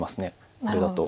これだと。